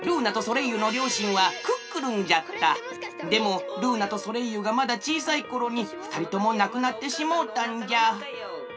でもルーナとソレイユがまだちいさいころにふたりともなくなってしもうたんじゃ。